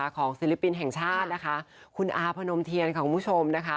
ของศิลปินแห่งชาติคุณอาพนมเทียนของคุณผู้ชม